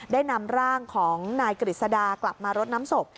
ได้นำร่างของนายกฤษดากลับมารดน้ำศพ